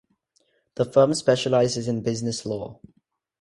The firm specializes in business law.